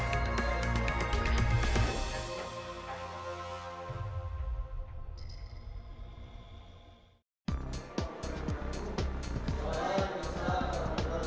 saya tidak perlu lagi